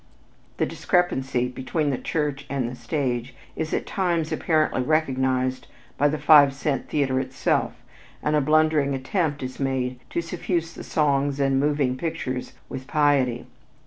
This discrepancy between the church and the stage is at times apparently recognized by the five cent theater itself, and a blundering attempt is made to suffuse the songs and moving pictures with piety.